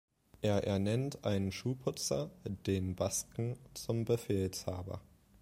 Er ernennt einen Schuhputzer, „den Basken“, zum Befehlshaber.